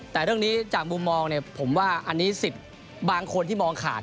แต่เรื่องนี้จากมุมมองเนี่ยผมว่าอันนี้สิทธิ์บางคนที่มองขาด